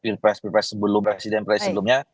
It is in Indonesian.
dengan apa namanya ppr sebelum presiden presiden sebelumnya